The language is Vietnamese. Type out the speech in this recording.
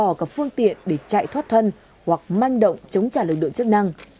các đối tượng bỏ cả phương tiện để chạy thoát thân hoặc manh động chống trả lực lượng chức năng